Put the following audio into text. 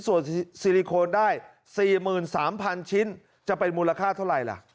สวดซีรีโคนได้สี่หมื่นสามพันชิ้นจะเป็นมูลค่าเท่าไรแหละ